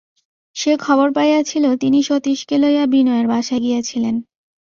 সে খবর পাইয়াছিল তিনি সতীশকে লইয়া বিনয়ের বাসায় গিয়াছিলেন।